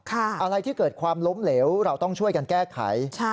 อะไรที่เกิดความล้มเหลวเราต้องช่วยกันแก้ไข